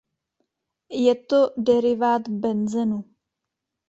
Je to derivát benzenu.